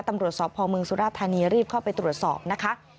ตำรวจสพเมืองสุราธานีรีบเข้าไปตรวจสอบนะคะ